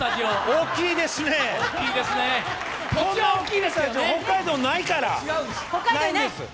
大きいですね、こんな大きいの北海道ないから、ないんです。